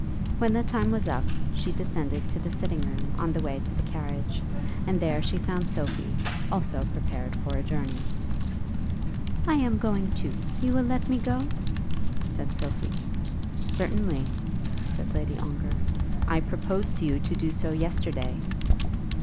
When the time was up, she descended to the sitting room on the way to the carriage, and there she found Sophie also prepared for a journey. "I am going too. You will let me go?" said Sophie. "Certainly," said Lady Ongar. "I proposed to you to do so yesterday."